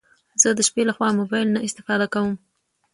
زه د شپې لخوا موبايل نه استفاده کوم